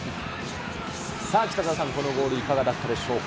さあ北澤さん、このゴール、いかがだったでしょうか。